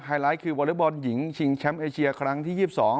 ไฮไลท์คือมงค์วอเตอร์บอลหญิงชิงแชมป์ไอเชียครั้งที่๒๒